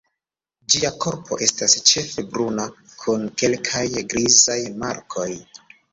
Ĝia korpo estas ĉefe bruna kun kelkaj grizaj markoj.